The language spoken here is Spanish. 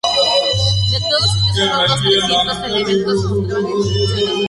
De todos ellos, solo dos o trescientos elementos mostraban inscripciones.